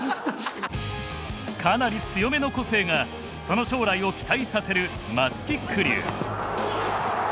かなり強めの個性がその将来を期待させる松木玖生。